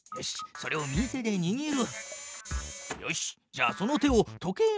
それを右手でにぎる。